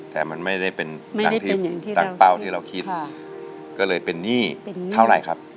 แต่มันไม่ได้เป็นตั้งเป้าที่เราคิดก็เลยเป็นหนี้เท่าไหร่ครับ